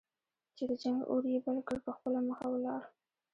چې د جنګ اور یې بل کړ په خپله مخه ولاړ.